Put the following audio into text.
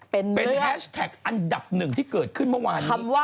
เป็นแฮชแท็กอันดับหนึ่งที่เกิดขึ้นเมื่อวานนี้